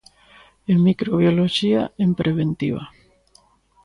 En Microbioloxía, en Preventiva.